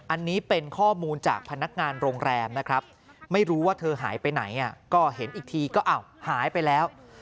อันนี้เป็นข้อมูลจากพนักงานโรงแรมนะครับไม่รู้ว่าเธอหายไปไหนก็เห็นอีกทีก็อ้าวหายไปแล้ว